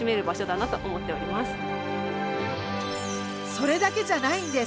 それだけじゃないんです。